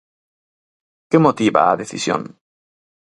Que motiva a decisión?